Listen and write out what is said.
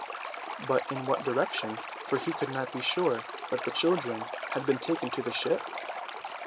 But in what direction, for he could not be sure that the children had been taken to the ship?